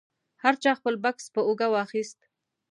هر چا خپل بکس په اوږه واخیست.